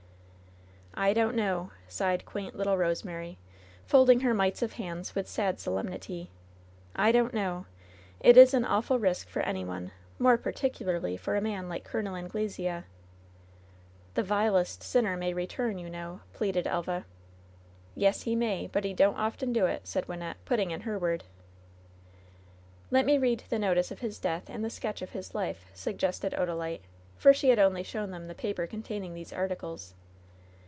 "I don't know," sighed quaint little Rosemary, fold ing her mites of hands with sad solemnity. "I don't know. It is an awful risk for any one, moi*e particu larly for a man like Col. Anglesea." " *Tho vilest sinner may return,' you know," pleaded Elva. \ "Yes, he may, but he don't often do it," said Wyn nette, putting in her word. LOVE'S BITTEREST CUP 48 ^TLet me read the notice of his death and the sketch of his life/' suggested Odalite, for she had cmly shown them the paper containing these articles.